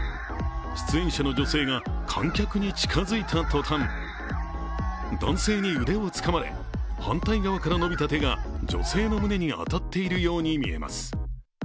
出演者の女性が観客に近づいたとたん男性に腕をつかまれ、反対側から伸びた手が女性の胸に当たっているように見えます。